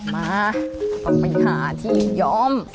มาออกไปค่ะที่ย้อม